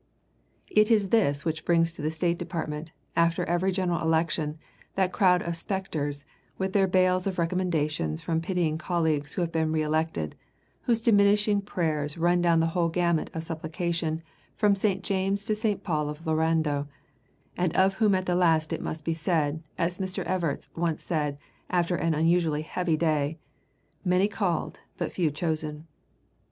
It is this which brings to the State Department, after every general election, that crowd of specters, with their bales of recommendations from pitying colleagues who have been reelected, whose diminishing prayers run down the whole gamut of supplication from St. James to St. Paul of Loando, and of whom at the last it must be said, as Mr. Evarts once said after an unusually heavy day, "Many called, but few chosen."